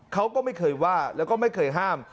เขาก็ไม่เคยว่าแล้วก็ไม่เคยห้าม